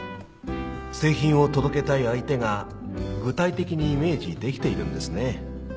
製品を届けたい相手が具体的にイメージできているんですね。